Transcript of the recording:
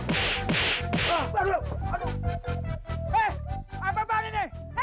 gue mau coba yang lanjut lo ya